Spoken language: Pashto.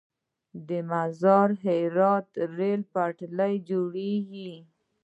د مزار - هرات ریل پټلۍ جوړیږي؟